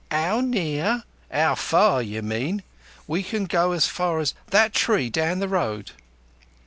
"'Ow near? 'Ow far, you mean! We can go as far as that tree down the road."